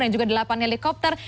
dan juga delapan helikopter